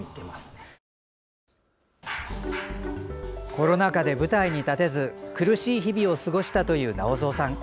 コロナ禍で舞台に立てず苦しい日々を過ごしたという直三さん。